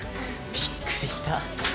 びっくりした。